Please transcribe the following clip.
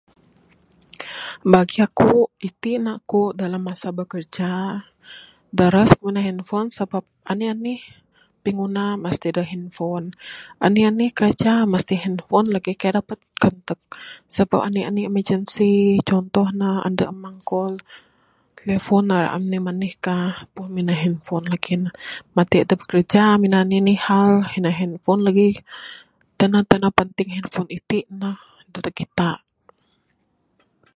Bagi aku itin ne aku dalam masa bekerja daras minan handphone sabab anih anih pingunah mesti adeh handphone anih anih kerja mesti handphone lagih kaik dapat kanteg sabab anih anih emergency contoh ne ande amang call telephone ne manih manih ka pun minan handphone lagih ne. Matik adep kerja minan anih anih hal minan handphone lagih ne. Tanan tanan penting handphone itin ne dadeg kita.